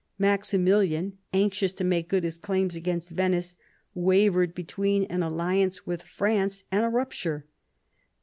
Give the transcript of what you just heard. Maximilian, anxious to make good his claims against Yeiiice, wavered between an alliance with France and a rupture.